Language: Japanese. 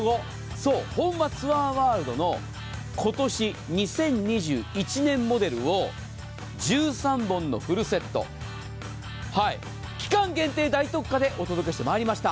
そうホンマ・ツアーワールドの今年２０２１年モデルを１３本のフルセット、期間限定大特価でお届けしてまいりました。